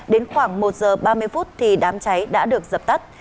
đến khoảng một giờ ba mươi phút thì đám cháy đã được dập tắt